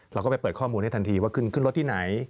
เราก็ไปเปิดข้อมูลให้ทันทีว่าขึ้นรถที่ไหน